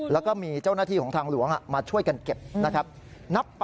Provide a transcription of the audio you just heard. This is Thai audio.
แล้วก็มีเจ้าหน้าที่ของทางหลวงมาช่วยกันเก็บนะครับ